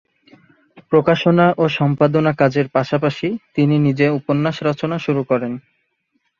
প্রকাশনা ও সম্পাদনা কাজের পাশাপাশি তিনি নিজে উপন্যাস রচনা শুরু করেন।